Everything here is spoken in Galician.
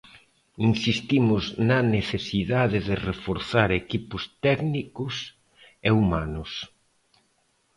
Insistimos na necesidade de reforzar equipos técnicos e humanos.